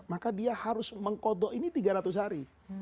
maka dia harus mengkodok ini tiga ratus hari